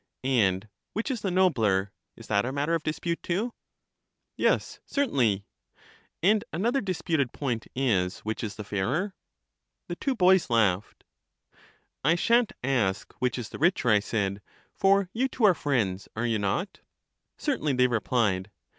And which is the nobler? Is that a matter of dis pute too? LYSIS 55 Yes, certainly. And another disputed point is, which is the fairer? The two boys laughed. I sha'n't ask which is the richer, I said; for you two are friends, are you not? Certainly, they replied.